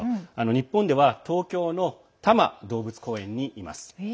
日本では東京の多摩動物公園にいます。